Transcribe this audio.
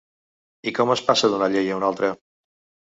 I com es passa d’una llei a una altra?